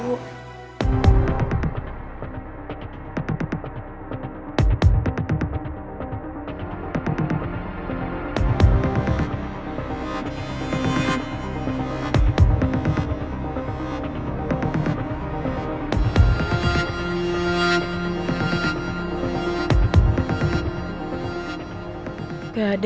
aku punya manusia